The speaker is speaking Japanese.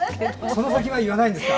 その先は言わないんですか？